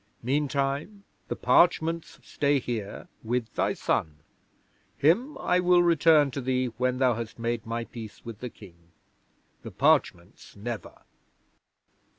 Meantime, the parchments stay here with thy son. Him I will return to thee when thou hast made my peace with the King. The parchments never."